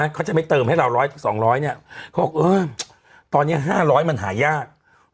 เขาจะไม่เติมให้เรา๑๐๐๒๐๐เนี่ยเขาบอกเออตอนนี้๕๐๐มันหายาก